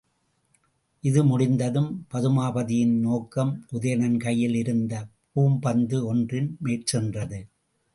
இது முடிந்ததும், பதுமாபதியின் நோக்கம் உதயணன் கையில் இருந்த பூம்பந்து ஒன்றின் மேற்சென்றது.